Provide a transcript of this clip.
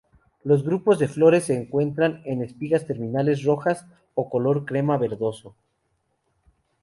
Los grupos de flores se encuentran en espigas terminales rojas o color crema verdoso.